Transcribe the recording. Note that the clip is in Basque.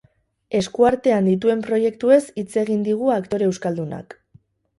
Eskuartean dituen proiektuez hitz egin digu aktore euskaldunak.